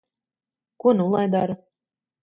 Ko nu lai dara?